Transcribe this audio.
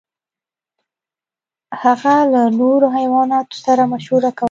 هغه له نورو حیواناتو سره مشوره کوله.